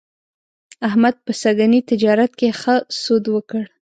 احمد په سږني تجارت کې ښه سود وکړ.